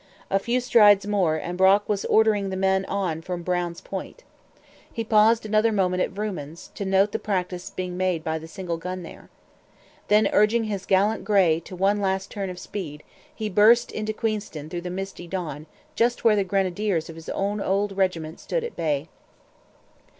A few strides more, and Brock was ordering the men on from Brown's Point. He paused another moment at Vrooman's, to note the practice made by the single gun there. Then, urging his gallant grey to one last turn of speed, he burst into Queenston through the misty dawn just where the grenadiers of his own old regiment stood at bay.